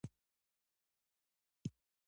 سپین دادا چابک چابک ګامونه واخستل.